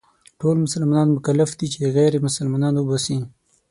ټول مسلمانان مکلف دي چې غير مسلمانان وباسي.